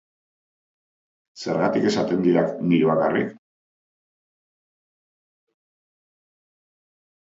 Zergatik esaten didak niri bakarrik?